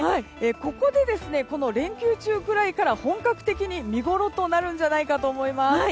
ここで連休中ぐらいから本格的に見ごろとなるんじゃないかと思います。